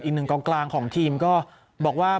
อีกหนึ่งกองกลางของทีมก็บอกว่า